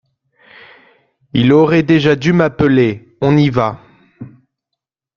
Il aurait déjà dû m’appeler. On y va.